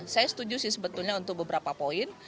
saya setuju sih sebetulnya untuk beberapa poin